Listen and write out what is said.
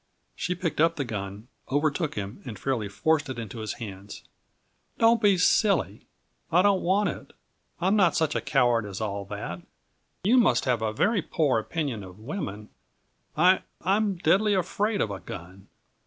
She picked up the gun, overtook him, and fairly forced it into his hands. "Don't be silly; I don't want it. I'm not such a coward as all that. You must have a very poor opinion of women. I I'm deadly afraid of a gun!"